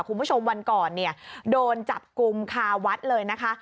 คุณผู้ชมวันก่อนเนี่ยโดนจับกลุ่มคาวัดเลยนะคะ